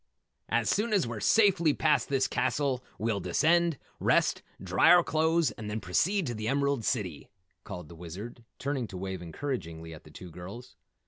"As soon as we're safely past this castle, we'll descend, rest, dry our clothes and then proceed to the Emerald City," called the Wizard, turning to wave encouragingly at the two girls.